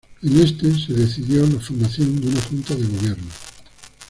En este se decidió la formación de una Junta de Gobierno.